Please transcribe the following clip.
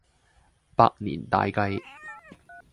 百年大計